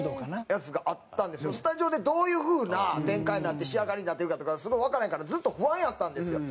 やつがあったんですけどスタジオでどういう風な展開になって仕上がりになってるかとかすごいわからへんからずっと不安やったんですよ。